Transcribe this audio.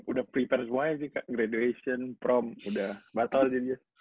udah prepare semuanya sih kak graderation prom udah batal jadi dia